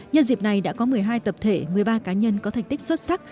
nhân dịp này đã có một mươi hai tập thể một mươi ba cá nhân có thành tích xuất sắc